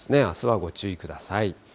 あすはご注意ください。